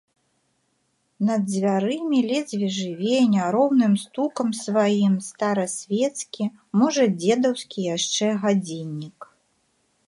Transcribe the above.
Над дзвярыма ледзьве жыве няроўным стукам сваім старасвецкі, можа, дзедаўскі яшчэ, гадзіннік.